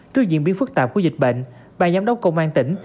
trước diễn biến phức tạp của dịch bệnh bà giám đốc công an tỉnh